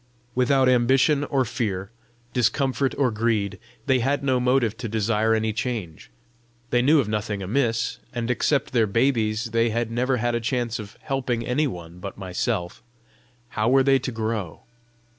Without ambition or fear, discomfort or greed, they had no motive to desire any change; they knew of nothing amiss; and, except their babies, they had never had a chance of helping any one but myself: How were they to grow?